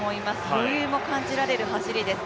余裕も感じられる走りです。